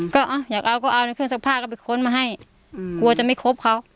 ก็อยากเอาก็เอาในเครื่องซักผ้าก็ไปค้นมาให้กลัวจะไม่ครบเขา